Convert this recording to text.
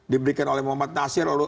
diberikan oleh muhammad nasir